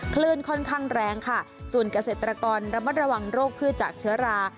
คลื่นค่อนข้างแรงค่ะส่วนเกษตรกรระมัดระวังโรคพืชจากเชื้อรา